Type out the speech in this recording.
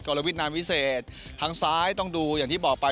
รวิทนานวิเศษทางซ้ายต้องดูอย่างที่บอกไป